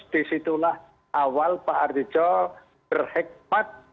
disitulah awal pak arti jok berhekmat